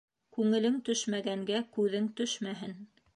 Күңелең төшмәгәнгә күҙең төшмәһен.